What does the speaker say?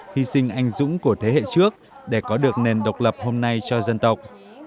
hy sinh anh dũng của thế hệ trước để có được nền độc lập hôm nay cho dân tộc